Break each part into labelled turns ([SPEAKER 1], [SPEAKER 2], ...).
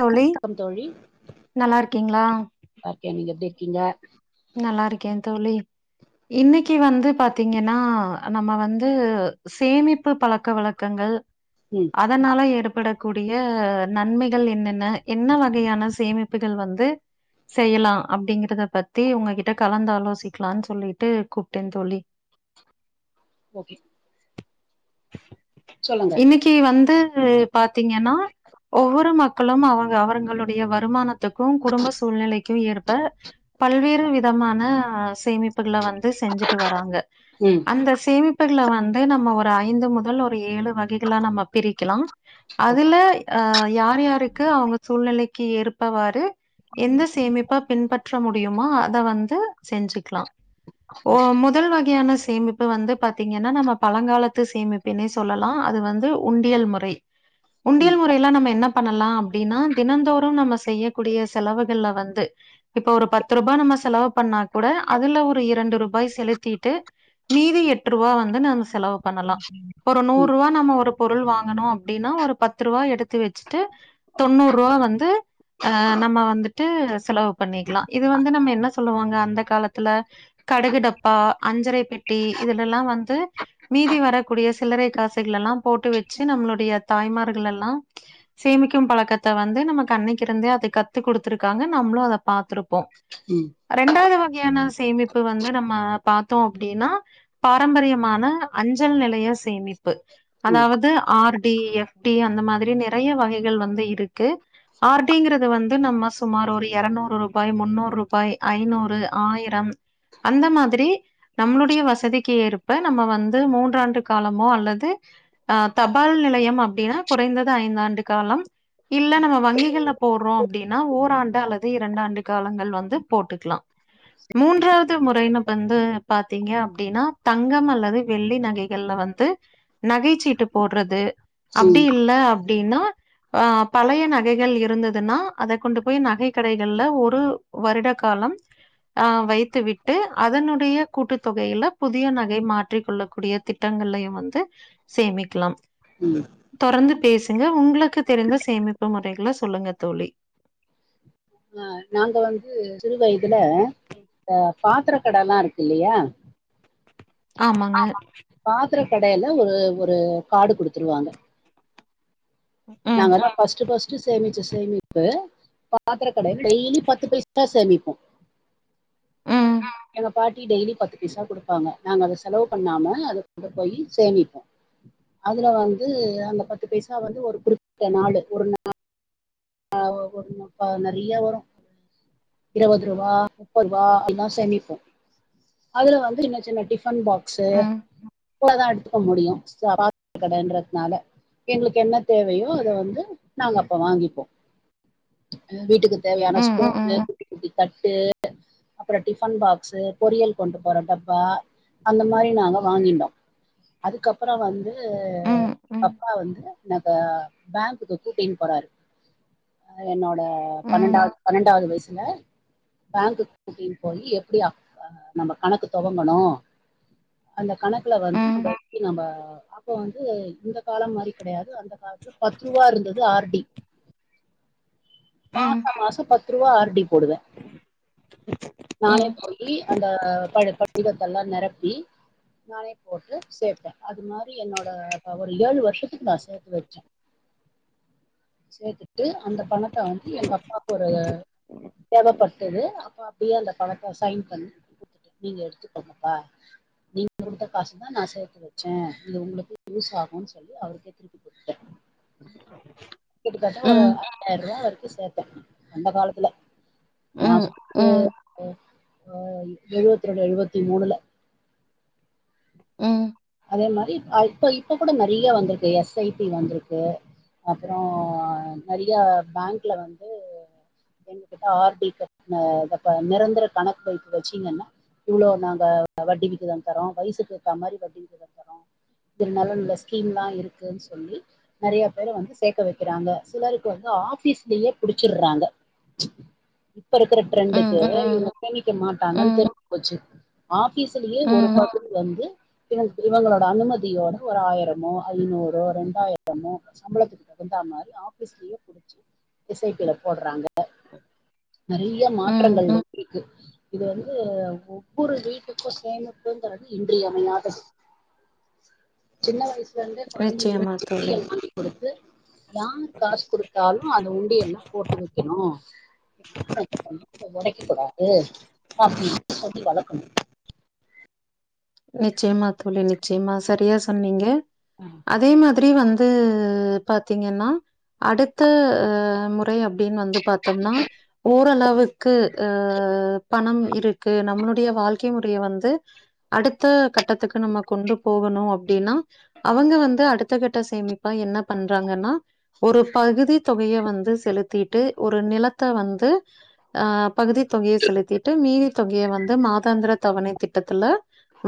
[SPEAKER 1] தோழி
[SPEAKER 2] தோழி
[SPEAKER 1] நல்லா இருக்கீங்களா?
[SPEAKER 2] [inaudible] நீங்க எப்டி இருக்கீங்க
[SPEAKER 1] நல்லா இருக்கே தோழி இன்னைக்கி வந்து பாத்தீங்கன்னா நம்ம வந்து சேமிப்பு பழக்க வழக்கங்கள்
[SPEAKER 2] ம்
[SPEAKER 1] அதனால எற் படக்கூடிய நன்மைகள் என்னென்ன என்ன வகையான சேமிப்புகள் வந்து செய்யலா அப்டிங்கிறத பத் தி உங்ககிட்ட கலந்து ஆலோசிக்கலான் சொல்லிட்டு கூப்ட்டேந் தோழி
[SPEAKER 2] ஓகே சொல்லுங்க
[SPEAKER 1] இன்னைக்கி வந்து [unintelligible] பாத்தீங்கன்னா ஒவ்வொரு மக்களும் அவங்க அவர்ங்களுடைய வருமானத் துக்கு குடும்ப சூழ்நிலைக்கு ஏற்ப பல்வேறு விதமான சேமிப் புகள வந்து செஞ்சுட்டு வராங்க
[SPEAKER 2] ம்
[SPEAKER 1] அந்த சேமி ப்புக்ல வந்து நம்ம ஒரு ஐந்து முதல் ஒரு ஏழு வகைகளா நம்ம பிரிக்கலா
[SPEAKER 2] ஓகே
[SPEAKER 1] அதுல அ யார் யாருக்கு அவுங்க சூழ்நிலைக்கு ஏற்பவாரு எந்த சேமிப்ப பின்பற்ற முடி யுமோ அத வந்து செஞ்சுக்லா ஓ
[SPEAKER 2] ஓகே
[SPEAKER 1] முதல் வகையான சேமிப்பு வந்து பாத்தீங்கன்னா நம்ம பழங்காலத்து சேமிப்பினே சொல்லலா அது வந்து உண்டியல் முறை
[SPEAKER 2] ம்
[SPEAKER 1] உண்டியல் முறையெல்லா நம்ம என்ன பண்ணலா அப்டீனா தினந்தோறும் நம்ம செய்யக்கூடிய செலவுகள்ல வந்து இப்ப ஒரு பத் து ருபா நம்ம செலவு பண்ணா கூட அதுல ஒரு இரண்டு ரூபாய் செலுத்தீட்டு மீதி எட்ரூபா வந்து நம்ம செலவு பண்ணலா ஒரு
[SPEAKER 2] ம்
[SPEAKER 1] நூரூவா நம்ம ஒரு பொருள் வாங்கனோஅப்படின்னா ஒரு பத் துருவா எடுத்து வெச்சுட்டு தொண்ணூருவா வந்து அ நம்ம வந்துட்டு செலவு பண்ணிக்கலா இது வந்து நம்ம என்ன சொல்லுவாங்க அந்த காலத்துல கடுகுடப்பா அஞ்சரை பெட்டி இதில் எல்லா‌ வந்து மீதி வரக்கூடிய சில்லரை காசுகளெல்லா போட்டு வெச்சு நம்ளுடைய தாய்மார்கள் எல்லா சேமிக்கு பழக்கத்த வந்து நமக்கு அன்னைக்கிருந்தே கத்துக்குடுத்திருக்காங்க நம்ளோ அத பாத்துருப்
[SPEAKER 2] ம்
[SPEAKER 1] ரெண்டாவ்து வக்யான சேமிப்பு வந்து நம்ம பாத்தோ அப்டீனா பாரம்பரியமான அஞ்சல் நிலைய சேமிப் பு
[SPEAKER 2] ம்
[SPEAKER 1] அதாவது ஆர் டி எஃப் டி அந்த மாதிரி நிறைய வகைகள் வந்து இருக்கு ஆர்டிங்கிறது வந்து நம்ம சுமார் ஒரு எறநூறு ரூ ய் முன்னூறு ரூபாய் ஐநூறு ஆயிரம் அந்த மாதிரி நம்ளுடைய வசதிக்கு ஏற்ப நம்ம வந்து மூன்றாண்டு காலமோ அல்லது அ தபால் நிலையம் அப்படின்னா குறைந்தது ஐந்தாண்டு காலம் இல்ல நம்ம வங்கிகள்ல போடுறோ அப்படின்னா ஓராண்டு அல்லது இரண்டாண்டு காலங்கள் வந்து போட்டுக்லா மூன்றாவது முறைன்னு வந்து பாத்தீங்க அப்படின்னா தங்கம் அல்லது வெள்ளி நகைகள்ல வந்து நகைசீட்டு போடுறது அப்டி
[SPEAKER 2] ம்
[SPEAKER 1] இல்ல அப்டின்னா அ பழைய நகைகள் இருந்ததுன்னா அத கொண்டு போய் நகை கடைகள்ல ஒரு ஒரு வருட காலம் அ வைத்து விட்டு அதனுடைய கூட்டுத்தொகையில புதிய நகை மாற்றி கொள்ளக்கூடிய திட்டங்கள்ளையும் வந்து சேமிக்கலாம்
[SPEAKER 2] ம்
[SPEAKER 1] தொடர்ந்து பேசுங்க உங்களுக்கு தெரிந்த சேமிப்பு முறைகளை சொல்லுங்க தோழி
[SPEAKER 2] அ நாங்க வந்து சிறு வயதுல அ பாத்திர கட எல்லா இருக்கு இல்லையா
[SPEAKER 1] ஆமாங்க.
[SPEAKER 2] ஆமா பாத்திர கடையில ஒரு ஒரு கார்டு குடுத்துருவாங்க
[SPEAKER 1] ம்,
[SPEAKER 2] நாங்கல்லா ஃபஸ்ட் ஃபஸ் சேமிச்ச சேமிப்பு பாத்திர கடை டெய்லி பத்து பைசா சேமிப் ம்
[SPEAKER 1] ம்,
[SPEAKER 2] எங்க பாட்டி டெய்லி பத்து பைசா குடுப்பாங்க நாங்க அத செலவு பண்ணாம அதை கொண்டு போய் சேமிப்போம் அதுல வந்து அந்த பத்து பைசா வந்து ஒரு கு நாலு ஒரு நாளு அ ஒருப்ப நெறைய வரும் ஒரு இருபது ரூபா முப்பது ரூபா அப்டில்லா சேமிப்போம் அதுல வந்து சின்ன சின்ன டிபன் பாக் ச
[SPEAKER 1] ம்,
[SPEAKER 2] கூட தா எடுத்துக்க முடியும் பாத்திர கடைன்றதுனால எங்களுக்கு என்ன தேவையோ அத வந்து நாங்க அப்ப வாங்கிப்போ வீட்டுக்கு தேவையான
[SPEAKER 1] ம்,
[SPEAKER 2] சோப்பு
[SPEAKER 1] ம்,
[SPEAKER 2] குட்டி குட்டி தட்டு அப்புற டிஃபன் பாக்ஸ்ஸு பொரியல் கொண்டு போற டப்பா அந்த மாதிரி நாங்க வாங்கின்டோ அதுக்கப்புற வந்து
[SPEAKER 1] ம், ம்,
[SPEAKER 2] பப்பா வந்து எனக்கு பேங்க்குக்கு கூட்டீனு போறாரு அத என்னோ அ
[SPEAKER 1] ம்.
[SPEAKER 2] பண்ணன்டாவது பண்ணன்டாவது வயசு ல பேங்க்குக் கூட்டீன் போய் எப்படி நம்ம கணக்கு துவங்கணு அந்த கணக்குல வந்து நம்ம
[SPEAKER 1] ம்
[SPEAKER 2] எப்டி நம அப்ப வந்து இந்த காலம் மாதிரி கிடையாது அந்த காலத்துல பத்து ரூபா இருந்தது ஆர்டி
[SPEAKER 1] ம்
[SPEAKER 2] மாச மாச பத் ருவா ஆர்டி போடுவே நானே
[SPEAKER 1] ம்
[SPEAKER 2] போயி அந்த படி படிவத்தெல்லா நெரப்பி நானே போட்டு சேர்த்தே அது மாதிரி என்னோட ஒரு ஏழு வருஷத்துக்கு நான் சேர்த்து வச்சே சேத்து து அந்த பணத்த வந்து எங்க அப்பாவுக்கு ஒரு தேவபட்டுது அப்ப அப்படியே அந்த பணத்தை சைன் பண்ணி நீங்க எடுத்துக்கோங்கப்பா நீங்க கொடுத்த காசுதா நான் சேர்த்து வச்ச இது உங்களுக்கு யூஸ் ஆகும் சொல்லி அவருக்கே திருப்பி கொடுத்த வீட்டுக்கார் ஒரு
[SPEAKER 1] ம்
[SPEAKER 2] ரெண்டாயிருவா வரைக்கு சேத்த அந்த காலத்துல
[SPEAKER 1] ம் ம்
[SPEAKER 2] மாசத்துக்கு
[SPEAKER 1] ம்
[SPEAKER 2] அ எழுவத்தி ரெண்டு எழுவத்தி மூணுல
[SPEAKER 1] ம்
[SPEAKER 2] அதே மாதிரி இப்ப இப்போ கூட நெறைய வந்திருக்கு எஸ்ஐபி வந்திருக்கு அப்புறம் நெறைய பேங்க்ல வந்து எங்ககிட்ட ஆர்டி கட் நிரந்தர கணக்கு வைப்பு வச்சிங்கன்னா இவ்ளோ நாங்க வட்டிவிகிதம் தரோ வயசுக்கேத்தமாதிரி வட்டி இருந்தாளும் இந்த ஸ்கீம்லா இருக்குன்னு சொல்லி நெறைய பேரு வந்து சேர்க்க வைக்கிறாங்க சிலருக்கு வந்து ஆபீஸ்லயே புடிச்சிர்றாங்க இப்ப இருக்கிற
[SPEAKER 1] ம்
[SPEAKER 2] ட்ரெண்டுக்கு இவங்க [unintelligible] மாட்டாங்கன்
[SPEAKER 1] ம்
[SPEAKER 2] தெரிஞ்சுபோச்சு மா கிசுலயே ஒரு
[SPEAKER 1] ம்
[SPEAKER 2] பக்க வந்து இவங் இவங்களோட அனுமதியோட ஒரு ஆயிரமோ ஐநூறோ ரெண்டாயிரமோ சம்பளத்துக்கு தகுந்தா மாரி ஆபீஸ்லயே புடிச்சு எஸ் ஐ பி-ல போடுறாங்க நெறைய
[SPEAKER 1] ம்
[SPEAKER 2] மாற்றங்கள் கு இது வந்து ஒவ்வொரு வீட்டுக்கு சேமிப்புங்கறது இன்றியமையாதது சின்ன வய சுலருந்தே கொழந்தைங்கல
[SPEAKER 1] நிச்சயமா
[SPEAKER 2] [inaudible]
[SPEAKER 1] தோழி
[SPEAKER 2] சொல்லி கொடுத்து யார் காசு குடுத்தாலு அத உண்டியல்ல போட்டு வைக்கணு உடைக்கக் கூடாது அப்டினு சொல்லி வளக்கனு
[SPEAKER 1] நிச்சயமா தோழி நிச்சயமா ஸ் சரியா சொன்னீங்க
[SPEAKER 2] ஆ
[SPEAKER 1] அதே மா ரி வந்து பாத்தீங்கன்னா அடுத்த அ முறை அப்டின் வந்து பாத்தோம்னா ஓரளவுக்கு அ பணம் இருக்கு நம்மளுடைய வாழ்க்கை முறைய வந்து அடுத்த கட்டத்துக்கு நம்ம கொண்டு போ போனு அப்டின்னா அவங்க வந்து அடுத்த கட்ட சேமிப்பா என்ன பண்றாங்கன்னா ஒரு பகுதி தொகைய வந்து செலுத்திட்டு ஒரு நிலத்த வந்து ஆ பகுதி தொகைய செலுத்திட்டு மீதி தொகைய வந்து மாதாந்திர தவணை திட்டத்துல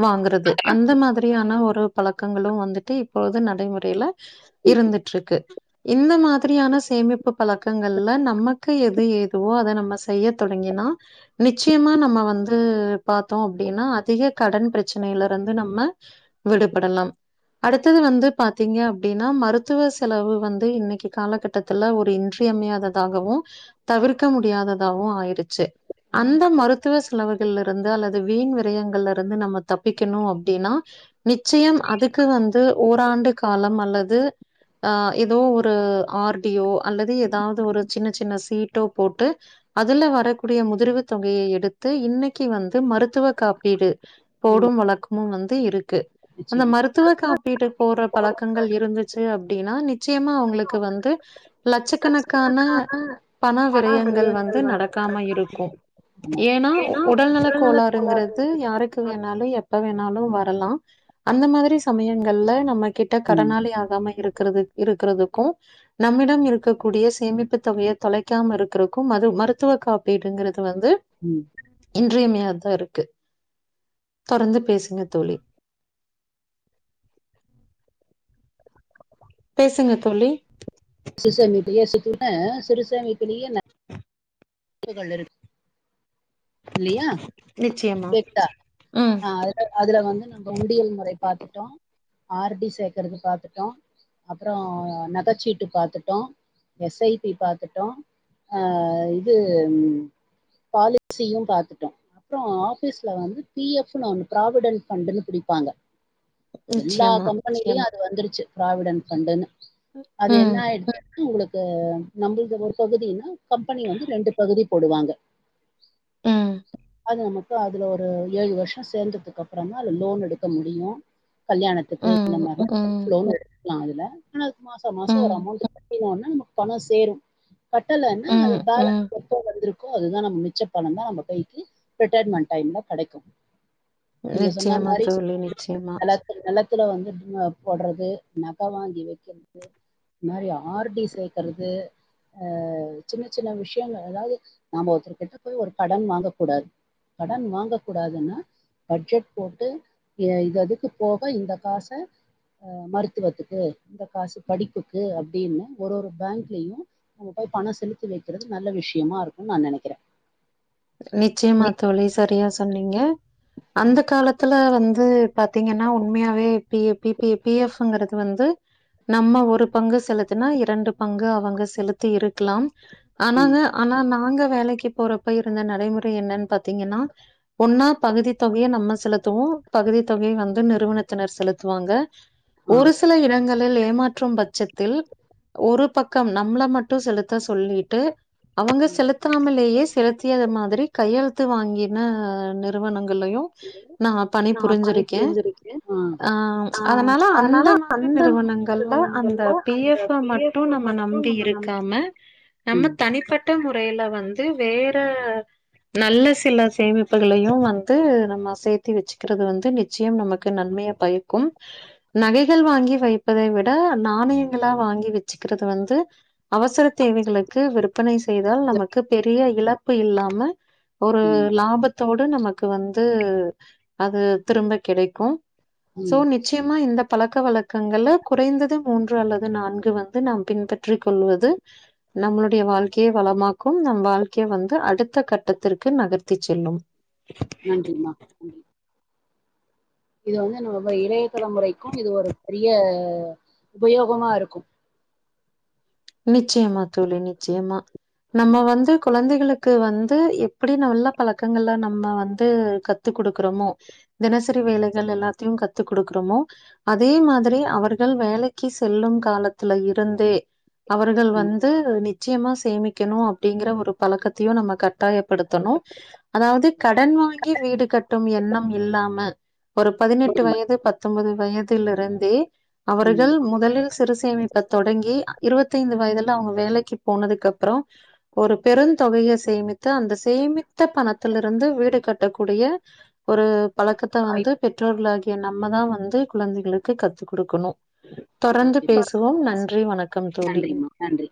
[SPEAKER 1] வாங்கறது அந்த மாதிரியான ஒரு பழக்கங்களு வந்துட்டு இப்பொழுது நடைமுறையில
[SPEAKER 2] இருக்கு
[SPEAKER 1] இருந்துட்ருக்கு இந்த மாதிரியான சேமிப்பு பழக்கங்கள்ல நமக்கு எது ஏதுவோ அத நம்ம செய்ய தொடங்கினா நிச்சயமா நம்ம வந்து பாத்தோ அப்படின்னா அதிக கடன் பிரச்சனையிலருந்து நம்ம விடுபடலாம் அடுத்தது வந்து பாத்தீங்க அப்படின்னா மருத்துவ செலவு வந்து இன்னைக்கு காலகட்டத்துல ஒரு இன்றியமையாததாகவு தவிர்க்க முடியாததாவு ஆயிருச்சு
[SPEAKER 2] ஆமா
[SPEAKER 1] அந்த மருத் த்துவ செலவுகள்ல இருந்து அல்லது வீண் விரயங்கள்ல ருந்து நம்ம தப்பிக்கணு அப்டின்னா நிச்சயம் அதுக்கு வந்து ஓராண்டு காலம் அல்லது ஆ ஏதோ ஒரு ஆர் டி ஓ அல்லது ஏதாவது ஒரு சின்ன சின்ன சீட்டோ போட்டு அதுல வரக்கூடிய முதிர்வு தொகையை எடுத்து இன்னைக்கு வந்து மருத்துவ காப்பீடு
[SPEAKER 2] ம்
[SPEAKER 1] போடும் வழக் மு வந்து இருக்கு அந்த
[SPEAKER 2] நிச்சயமா
[SPEAKER 1] மருத்துவ காப்பீடு போற பழக்கங்கள் இருந்துச்சு அப் அப்டினா நிச்சயமா அவங்களுக்கு வந்து லட்சக்கணக் க்கான
[SPEAKER 2] லட்சக்கணக்கான
[SPEAKER 1] பண விரயங்கள் வந்து நடக்காம இருக்கும் ஏன்னா உடல்நல கோளாறுங்கிறது யாருக்கு வேணாலு எப்ப வேணாலு வரலா அந்த மாதிரி சமயங்கள்ல நமக் கிட்ட
[SPEAKER 2] ம்
[SPEAKER 1] கடனாளி ஆகாம இருக்குறது இருக்குறதுக்கு நம்மிடம் இருக்கக்கூடிய சேமிப்பு தொகைய தொலைக்காம இருக்குறக்கு மது மருத்துவ காப்பீடுங்கற து வந்து
[SPEAKER 2] ம்
[SPEAKER 1] இன்றியமையாது த இருக்கு தொடர்ந்து பேசுங்க தோழி பேசுங்க தோழி
[SPEAKER 2] சிறுசேமிப்பையே [unintelligible] சிறுசேமிப்பிலேயே [unintelligible] இல்லையா
[SPEAKER 1] நிச்சயமா
[SPEAKER 2] கேட்குதா
[SPEAKER 1] ம்
[SPEAKER 2] ஆ அதுல அதுல வந்து நம்ம உண்டியல் முறை பாத்துட்டோ ஆர் டி சேர்க்கறது பாத்தட்டோ அப்புறம் நகச்சீட்டு பாத்தட்டோ எஸ் ஐ பி பாத்துட்டோ ஆ இது பாலி சியூம் பாத்துட்டோ அப்புறம் ஆபீஸ்ல வந்து பி எஃப் னு ஒன்னு ப்ராவிடென்ட் ஃபண்டுன்னு பிடிப்பாங்க எல்லா
[SPEAKER 1] நிச்சயமா
[SPEAKER 2] கம்பனிலயு அ து வந்துருச்சு ப்ராவிடன்ட் ஃபண்டுனு அது
[SPEAKER 1] ம்
[SPEAKER 2] என்ன ஆயிடு உங்களுக் கு நம்மளுது ஒரு பகுதினா கம்பெனி வந்து ரெண்டு பகுதி போடுவாங்க
[SPEAKER 1] உம்
[SPEAKER 2] அது நமக்கு அதுல ஒரு ஏழு வருஷ சேந்ததுக்கு அப்புறம் தா அதுல லோன் எடுக்க முடியு கல்யாணத்துக்கு
[SPEAKER 1] ம்
[SPEAKER 2] நம்ப ஹவுஸ்
[SPEAKER 1] ம்
[SPEAKER 2] லோன் ஆ அதுல ஆ மாசம் மாசம் ஒரு
[SPEAKER 1] ம்
[SPEAKER 2] அமௌண்ட் கட்டினோனா பணம் சேரு கட்டலன்னா அது
[SPEAKER 1] ம் ம்
[SPEAKER 2] பாலான்ஸ் எப்போ வந்துருக் கு அதுதா நம்ம மிச்ச பணம் தா நம்ம கைக்கு ரிட்டர்மெண்ட் டைம்ல கிடைக்கு
[SPEAKER 1] நிச்சயமா தோழி நிச்சயமா
[SPEAKER 2] நிலத்து நிலத்துல வந்து போடுறது நக வாங்கி வைக்கிறது இந்த மாதிரி ஆர்டி சேர்கறது சின்ன சின்ன விஷயங்கள் அதாவது நாம் ஒருத்தர்கிட்ட போய் ஒரு கடன் வாங்கக்கூடாது கடன் வாங்கக்கூடாதுன்னா பட்ஜெட் போட்டு இது அதுக்கு போக இந்த காச அ மருத்துவத்துக்கு இந்த காசு படிப்புக்கு அப்படின்னு ஒரு ஒரு பேங்க்லயு நம்ம போய் பணம் செலுத்தி வைக்கிறது நல்ல விஷயமா இருக்கு நா நினைக்கிறே
[SPEAKER 1] நிச்சயமா தோழி சரியா சொன்னீங்க அந்த
[SPEAKER 2] ம்
[SPEAKER 1] காலத்துல வந்து பாத்தீங்கன்னா உண்மையாவே பி பி ப பி எப்ங்கிறது வந்து நம்ம ஒரு பங்கு செலுத்தினா இரண்டு பங்கு அவங்க செலுத்தி இருக் க்கலா ஆனாங்க
[SPEAKER 2] ம்
[SPEAKER 1] ஆனா நாங்க வேலைக்கு போறப்போ இந்த நடைமுறை என்னன்னு பாத்தீங்கன்னா ஒன்னா பகுதி தொகைய நம்ம செலுத்துவோ பகுதி தொகை வந்து நிறுவனத்தினர் செலுத்துவாங்க
[SPEAKER 2] ஆ
[SPEAKER 1] ஒரு சில இடங்களில் ஏமாற் ற்றும் பட்சத்தில் ஒரு பக்கம் நம்மள மட்டு செலுத்த சொல்லிட்டு அவங்க
[SPEAKER 2] ம்
[SPEAKER 1] செலுத்தாமலேயே செலுத் தியது மாதிரி கையெழுத்து வாங்கின நிறுவனங்க களையு நா பணி
[SPEAKER 2] நா பண்ணி
[SPEAKER 1] புரிஞ்சிருக்கே
[SPEAKER 2] புரிஞ்சிருக்கே
[SPEAKER 1] ஆ
[SPEAKER 2] ஆ
[SPEAKER 1] அதனால அந்த மாதிரி நிறுவனங்கள்ல அந்த
[SPEAKER 2] நிறுவனங்கள்ல
[SPEAKER 1] பி
[SPEAKER 2] அந்த
[SPEAKER 1] எப்
[SPEAKER 2] பி
[SPEAKER 1] மட்டும்
[SPEAKER 2] எஃப்
[SPEAKER 1] நம்ம
[SPEAKER 2] மட்டு
[SPEAKER 1] நம்பி
[SPEAKER 2] நம்ம நம்
[SPEAKER 1] இருக்காம நம்ம
[SPEAKER 2] ம்
[SPEAKER 1] தனிப்பட்ட முறையில வந்து வேர் டு நல்ல சில சேமிப்புகளையு வந்து நம்ம சேத்தி வச்சுக்கிறது வந்து நிச்சயம் நமக்கு நன்மைய பயக்கும் நகைகள் வாங்கி வைப்பதை விட நாணயங்களா வாங்கி வச்சுக்கிறது வந்து அவசர தேவைகளுக்கு விற்பனை செய்தா நமக்கு பெரிய இல்ல ப்பு இல்லாம ஒரு
[SPEAKER 2] ம்
[SPEAKER 1] லாபத் தோட நமக்கு வந்து அது திரும்ப கெடைக்கு சோ
[SPEAKER 2] ம்
[SPEAKER 1] நிச்யமா இந்த பழக்க வழக்கங்க குறைந்தது மூன்று அல்லது நான்கு வந்து நாம் பின்பற்றி கொள்வது நம்மளுடைய வாழ்க்ய வளமாக்கு நம் வாழ்க்ய வந் து அடுத்த கட்டத்திற்கு நகர்த்தி செல்லு
[SPEAKER 2] நன்றி மா நன்றி இத வந்து நம்ம இளைய தலைமுறைக்கு இது ஒரு றிய உபயோகமா இருக்கு
[SPEAKER 1] நிச்சயமா தோழி நிச்சயமா நம்ம
[SPEAKER 2] ம்
[SPEAKER 1] வந்து கொழந்தைகளுக் கு வந்து எப் ப்புடி நல்ல பழக்கங்கல நம் ம்ம வந்து கத்து குடுக்குறமோ தினசரி வேலைகள் எல்லாத்தையு கத்து குடுக்குறமோ அதே மாதுரி அவருக் முதல் வேலக்கி செல்லும் காலத்துல இருந்தே அவர்கள்
[SPEAKER 2] ம்
[SPEAKER 1] வந்து நிச் சியமா சேமிக்கணு அப்டிங்கிற ஒரு பழக்கத்தியு நம்ம கட்டாயப்படுத்தணு அதாவது கடன் வாங்கி வீடு கட்டும் எண்ணம் இல்லாம ஒரு பதினெட்டு
[SPEAKER 2] ம்
[SPEAKER 1] வயது பத்தம்போது வயதில் இருந்தே அவர்கள்
[SPEAKER 2] ம்
[SPEAKER 1] முதலில் சிறு சேமிப்ப தொடங்கி தி இந்த வய்தெல்லா அவுங்க வேலக்கி போனதுக்கு அப்றோ ஒரு பெருந்தொகைய சேமித்தா அந்த சேமித்த பணத்தில்ல இருந்து வீடு கட்டக்கூடிய ஒரு பழக்கத்த வந்து
[SPEAKER 2] வாய்ப்பு
[SPEAKER 1] பெற்றோர்குள் ஆகிய எ நம்மதா வந்து குழந்தைகளுக்கு கத்து குடுக்கணு தொடர்ந்து பேசுவோம் நன்றி வணக்
[SPEAKER 2] நன்றி மா நன்றி